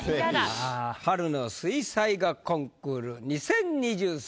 「春の水彩画コンクール２０２３」